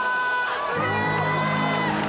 すげえ！